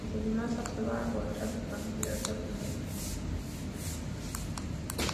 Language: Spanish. El Seimas aprueba o rechaza al candidato a Primer Ministro designado por el Presidente.